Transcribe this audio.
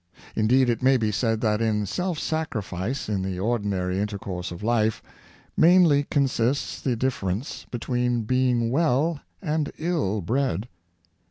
Indeed, it may be said that in self sacrifice in the ordinary in tercourse of life, mainly consists the difference between being well and ill bred.